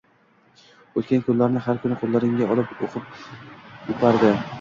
O‘tkan kunlarni har kuni qo‘llariga olib, o‘qib, o‘pardi.